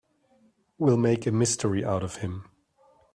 We'll make a mystery out of him.